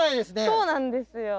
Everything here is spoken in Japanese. そうなんですよ。